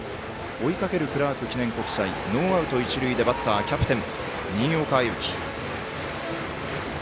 追いかける、クラーク記念国際ノーアウト、一塁でバッターはキャプテン、新岡歩輝。